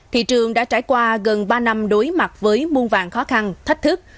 thị trường đã trải qua gần ba năm đối mặt với muôn vàng khó khăn thách thức